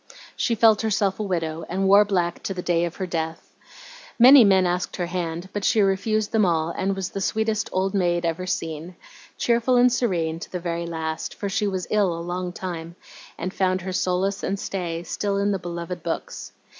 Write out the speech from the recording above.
She felt herself a widow, and wore black to the day of her death. Many men asked her hand, but she refused them all, and was the sweetest 'old maid' ever seen, cheerful and serene to the very last, for she was ill a long time, and found her solace and stay still in the beloved books.